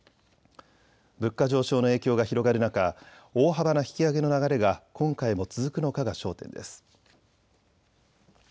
物価上昇の影響が広がる中、大幅な引き上げの流れが今回も続くのかが焦点です。